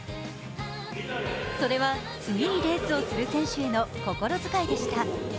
それは、次にレースをする選手への心遣いでした。